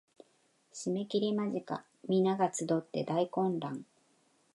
締切間近皆が集って大混乱